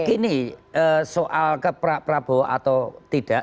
ini soal ke pak prabowo atau tidak